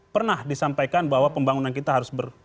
pernah disampaikan bahwa pembangunan kita harus ber